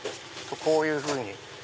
こういうふうに。